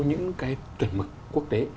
những cái tuyệt mực quốc tế